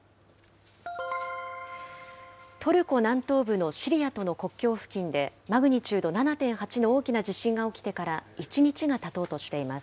トルコ南東部のシリアとの国境付近で、マグニチュード７．８の大きな地震が起きてから１日がたとうとしています。